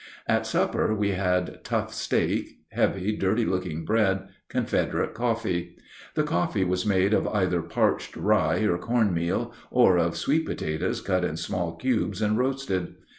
At supper we had tough steak, heavy, dirty looking bread, Confederate coffee. The coffee was made of either parched rye or corn meal, or of sweet potatoes cut in small cubes and roasted.